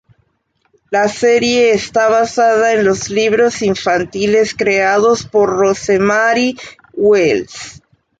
La serie está basada en los libros infantiles creados por Rosemary Wells.